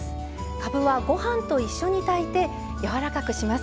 かぶはご飯と一緒に炊いてやわらかくします。